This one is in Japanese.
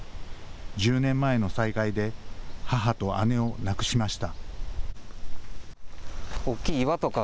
１０年前の災害で、母と姉を亡くしました。